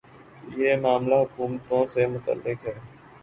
یہ معاملہ حکومتوں سے متعلق ہے۔